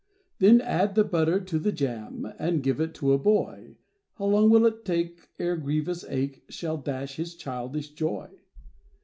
Then add the butter to the jam, And give it to a boy, How long will 't take ere grievous ache Shall dash his childish joy?